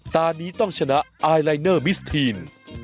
ตอนนี้ต้องชนะไอลายเนอร์มิสทีน